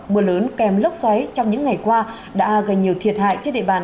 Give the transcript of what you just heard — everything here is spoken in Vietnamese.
mưa lớn kèm lốc xoáy trong những ngày qua đã gây nhiều thiệt hại trên địa bàn